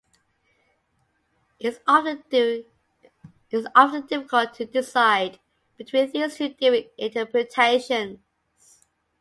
It is often difficult to decide between these two different interpretations.